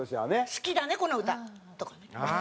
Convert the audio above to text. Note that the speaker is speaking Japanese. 「好きだねこの歌」とかね